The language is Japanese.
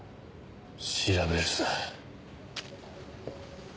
調べるさ。